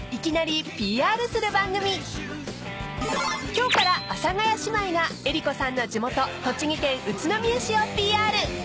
［今日から阿佐ヶ谷姉妹が江里子さんの地元栃木県宇都宮市をＰＲ］